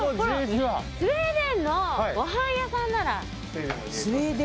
スウェーデンのご飯屋さんなら。